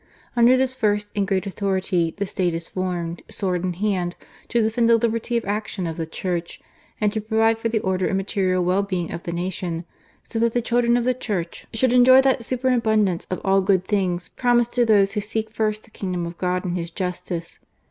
Under this first and great authority the State is formed, sword in hand, to defend the liberty of action of the Church, and to provide for the order and material well being of the nation, so that the children of the Church should enjoy that superabundance of all good things promised to those who seek first the King dom of God and His justice.